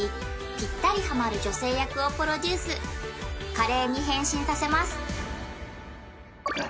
華麗に変身させます何？